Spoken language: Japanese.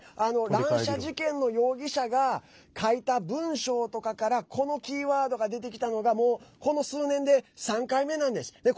乱射事件の容疑者が書いた文章とかからこのキーワードが出てきたのがもう、この数年で３回目なんです。